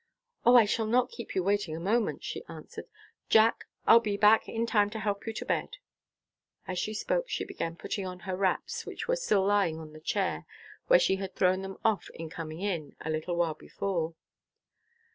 "O, I shall not keep you waiting a moment," she answered. "Jack, I'll be back in time to help you to bed." As she spoke she began putting on her wraps, which were still lying on the chair, where she had thrown them off on coming in, a little while before.